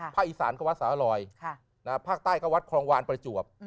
อีสานก็วัดสาลอยภาคใต้ก็วัดคลองวานประจวบ